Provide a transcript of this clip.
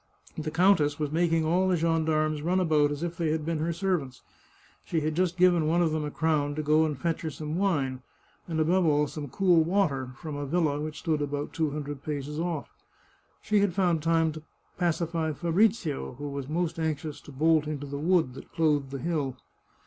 The countess was making all the gendarmes run about as if they had been her servants. She had just given one of them a crown to go and fetch her some wine, and above all some cool water, from a villa which stood about two hun dred paces off. She had found time to pacify Fabrizio, who was most anxious to bolt into the wood that clothed the hill.